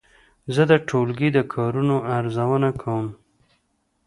زه د ټولګي د کارونو ارزونه کوم.